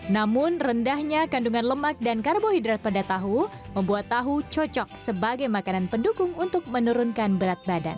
namun rendahnya kandungan lemak dan karbohidrat pada tahu membuat tahu cocok sebagai makanan pendukung untuk menurunkan berat badan